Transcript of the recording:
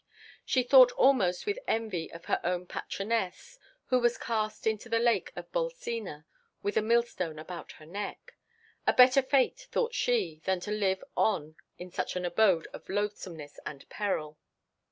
She thought almost with envy of her own patroness, who was cast into the lake of Bolsena with a millstone about her neck—a better fate, thought she, than to live on in such an abode of loathsomeness and peril.